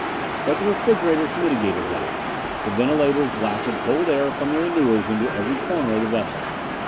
But the refrigerators mitigated that; the ventilators blasted cold air from the renewers into every corner of the vessel.